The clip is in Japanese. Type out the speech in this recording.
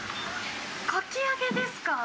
かき揚げですか？